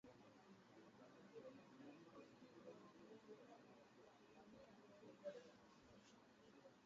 Watu kumi na sita wamefikishwa mahakamani kwa kuwauzia silaha wanamgambo huko Jamhuri ya Kidemokrasia ya Kongo